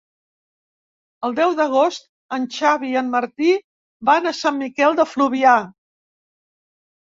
El deu d'agost en Xavi i en Martí van a Sant Miquel de Fluvià.